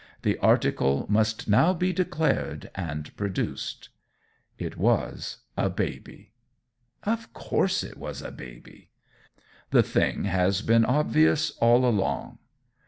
The article must now be declared and produced. It was a baby. Of course, it was a baby! The thing has been obvious all along.